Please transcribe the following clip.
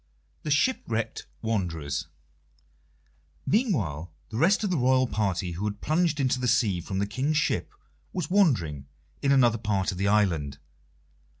The Shipwrecked Wanderers Meanwhile the rest of the royal party who had plunged into the sea from the King's ship were wandering in another part of the island.